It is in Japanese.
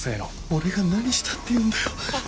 俺が何したっていうんだよ。